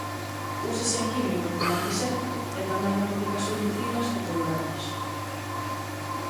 Úsase en química coma antiséptico e tamén na fabricación de pilas e colorantes.